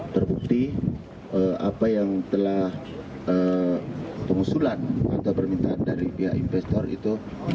terbukti apa yang telah pengusulan atau permintaan dari pihak investor itu